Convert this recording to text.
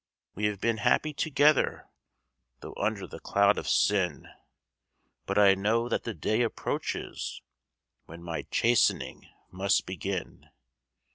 We have been happy together, Though under the cloud of sin, But I know that the day approaches When my chastening must begin.